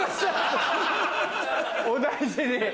お大事に！